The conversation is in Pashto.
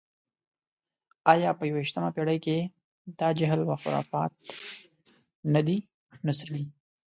ایا په یویشتمه پېړۍ کې دا جهل و خرافات نه دي، نو څه دي؟